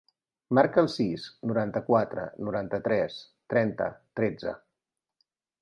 Marca el sis, noranta-quatre, noranta-tres, trenta, tretze.